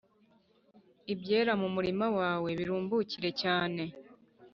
ibyera mu murima wawe birumbukire cyane